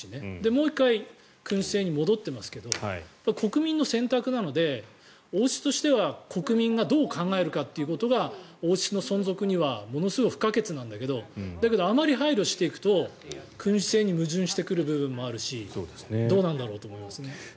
もう一回君主制に戻っていますけど国民の選択なので王室としては国民がどう考えるかということが王室の存続にはものすごい不可欠なんだけどだけど、あまり配慮していくと君主制に矛盾してくる部分もあるしどうなんだろうと思いますね。